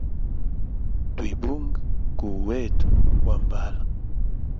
Twibunge kuu wetu wambala.